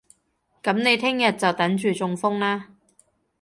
噉你聽日就等住中風啦